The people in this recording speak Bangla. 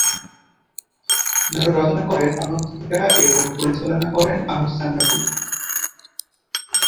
নাটকটি রচনা করেন অনন্ত হীরা এবং পরিচালনা করেন আহসান হাবীব।